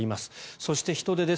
そして、人出です。